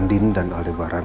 andin dan aldebaran